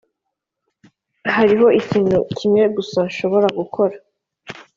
hariho ikintu kimwe gusa nshobora gukora,